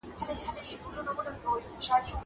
سیر د کتابتوننۍ له خوا کيږي!!